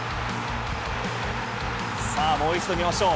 さあ、もう一度見ましょう。